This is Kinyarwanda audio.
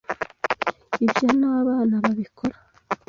Ibyo ni abana babikora